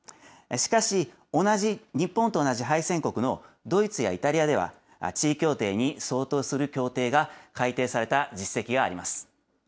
しかし、同じ日本と同じ敗戦国のドイツやイタリアでは地位協定に相当する協定が改定された実績があります。